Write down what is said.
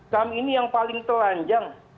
kami ini yang paling telanjang